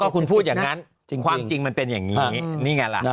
คุณพูดอย่างนั้นความจริงมันเป็นอย่างนี้นี่ไงล่ะ